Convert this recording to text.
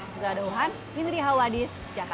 segera dohan mimri hawadis jakarta